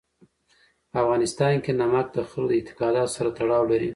په افغانستان کې نمک د خلکو د اعتقاداتو سره تړاو لري.